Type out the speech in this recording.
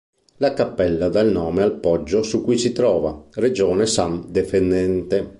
La cappella dà il nome al poggio su cui si trova, Regione San Defendente.